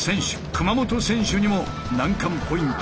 熊元選手にも難関ポイント